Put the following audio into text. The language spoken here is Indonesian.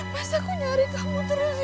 mas aku nyari kamu terus